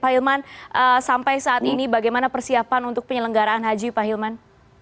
pak hilman sampai saat ini bagaimana persiapan untuk penyelenggaraan haji pak hilman